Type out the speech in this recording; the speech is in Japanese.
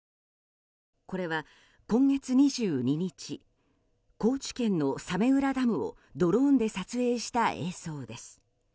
これは今月２２日高知県の早明浦ダムをドローンで撮影した映像です。